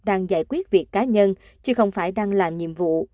đang giải quyết việc cá nhân chứ không phải đang làm nhiệm vụ